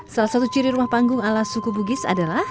salah satu ciri rumah panggung ala suku bugis adalah